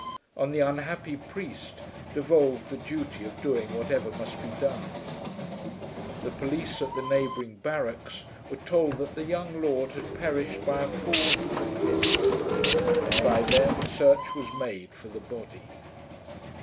On the unhappy priest devolved the duty of doing whatever must be done. The police at the neighbouring barracks were told that the young lord had perished by a fall from the cliffs, and by them search was made for the body.